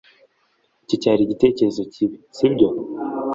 Icyo cyari igitekerezo kibi, sibyo?